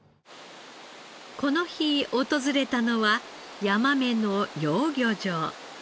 この日訪れたのはヤマメの養魚場。